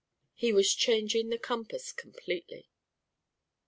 He was changing the compass completely.